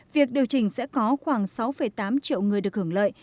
việc điều chỉnh sẽ có khoảng sáu tám triệu người được hưởng lợi